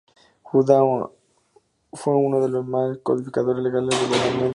Judá fue uno del más mayores codificadores legales de la Edad Media.